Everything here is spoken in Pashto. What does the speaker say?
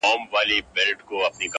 که دې د سترگو له سکروټو نه فناه واخلمه,